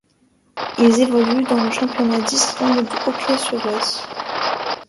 Il évolue dans le Championnat d'Islande de hockey sur glace.